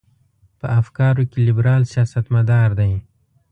په افکارو کې لیبرال سیاستمدار دی.